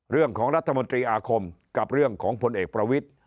เรื่องของรัฐมนตรีอาคมกับเรื่องของพลเอกประวิทธิ์